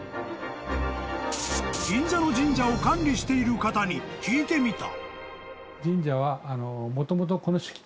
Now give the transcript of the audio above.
［銀座の神社を管理している方に聞いてみた］